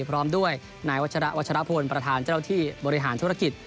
พร้อมด้วยนายวัชระวัชรพลประธานเจ้าที่บริหารธุรกิจ